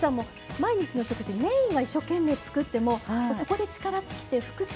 毎日の食事メインは一生懸命つくってもそこで力尽きて副菜